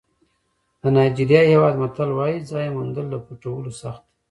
د نایجېریا هېواد متل وایي ځای موندل له پټولو سخت دي.